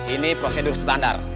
ini prosedur standar